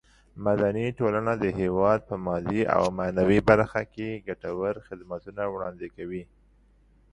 مدني ټولنه د هېواد په مادي او معنوي برخه کې ګټور خدمتونه وړاندې کوي.